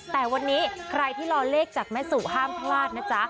แต่วันนี้ใครที่รอเลขจากแม่สู่ห้ามพลาดนะจ๊ะ